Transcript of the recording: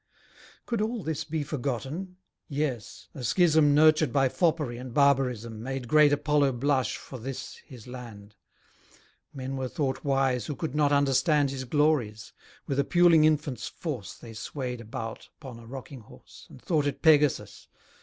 Could all this be forgotten? Yes, a schism Nurtured by foppery and barbarism, Made great Apollo blush for this his land. Men were thought wise who could not understand His glories: with a puling infant's force They sway'd about upon a rocking horse, And thought it Pegasus.